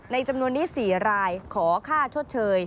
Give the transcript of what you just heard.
จำนวนนี้๔รายขอค่าชดเชย